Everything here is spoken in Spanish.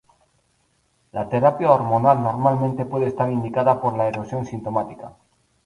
La terapia hormonal normalmente puede estar indicada por la erosión sintomática.